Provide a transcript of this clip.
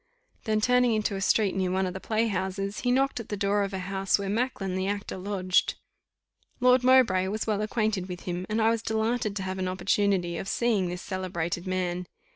Then turning into a street near one of the play houses, he knocked at the door of a house where Macklin the actor lodged. Lord Mowbray was well acquainted with him, and I was delighted to have an opportunity of seeing this celebrated man.